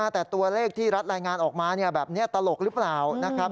แต่ตัวเลขที่รัดรายงานออกมาแบบนี้ตลกรึเปล่า